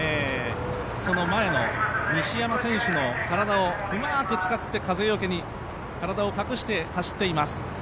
その前の西山選手の体をうまく使って風よけに体を隠して、走っています。